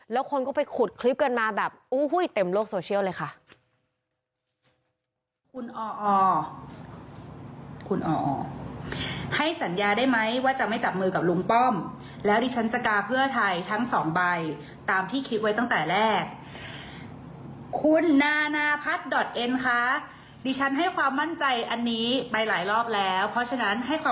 แล้วคนก็ไปขุดคลิปกันมาแบบเต็มโลกโซเชียลเลยค่ะ